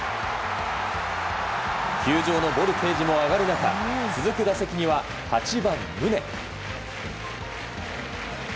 球場のボルテージも上がる中続く打席には８番、宗。